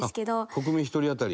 国民１人あたり？